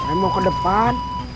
saya mau ke depan